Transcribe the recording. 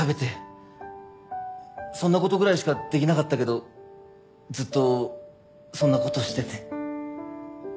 そんな事ぐらいしかできなかったけどずっとそんな事してて。